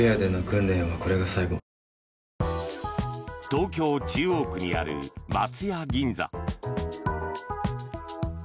東京・中央区にある松屋